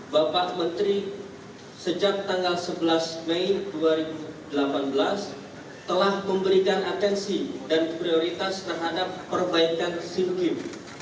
bapak menteri sejak tanggal sebelas mei dua ribu delapan belas telah memberikan atensi dan prioritas terhadap perbaikan sim game